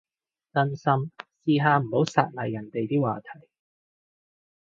真心，試下唔好殺埋人哋啲話題